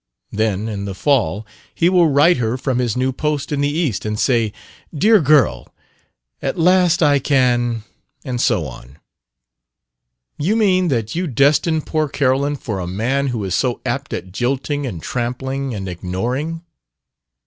Then, in the fall he will write her from his new post in the East, and say: 'Dear Girl, At last I can ,' and so on." "You mean that you destine poor Carolyn for a man who is so apt at jilting and trampling and ignoring?"